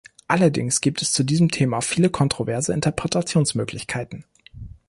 Allerdings gibt es zu diesem Thema viele kontroverse Interpretationsmöglichkeiten.